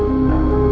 kita akan berjalan